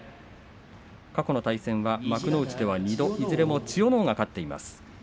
過去の対戦は幕内では２度、いずれも千代ノ皇が勝っています。